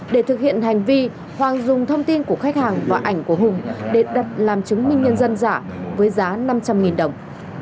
để thực hiện hành vi hoàng dùng thông tin của khách hàng và ảnh của hùng để đặt làm chứng minh nhân dân giả với giá năm trăm linh đồng